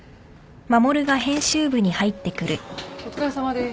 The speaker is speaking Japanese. お疲れさまです。